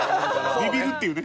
ビビるっていうね。